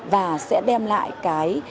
và sẽ đem lại cái